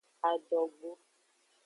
Adogbo.